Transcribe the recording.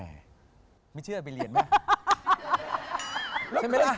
แม่ไม่เชื่อไปเรียนแม่